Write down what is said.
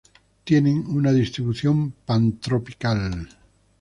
Tienen una distribución Pantropical.